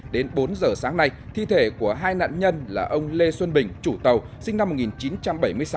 đến bốn giờ sáng nay thi thể của hai nạn nhân là ông lê xuân bình chủ tàu sinh năm một nghìn chín trăm bảy mươi sáu